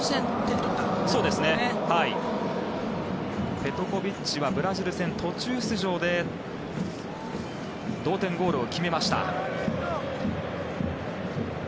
ペトコビッチはブラジル戦、途中出場で同点ゴールを決めました。